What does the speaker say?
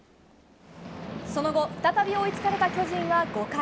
その後再び追いつかれた巨人は５回。